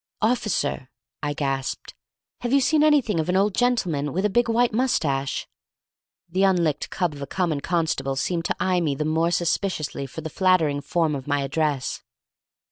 "Officer," I gasped, "have you seen anything of an old gentleman with a big white mustache?" The unlicked cub of a common constable seemed to eye me the more suspiciously for the flattering form of my address.